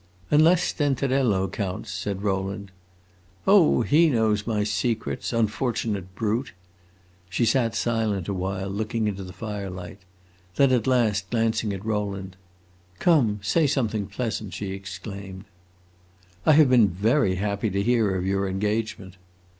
"Unless Stenterello counts," said Rowland. "Oh, he knows my secrets unfortunate brute!" She sat silent awhile, looking into the firelight. Then at last, glancing at Rowland, "Come! say something pleasant!" she exclaimed. "I have been very happy to hear of your engagement."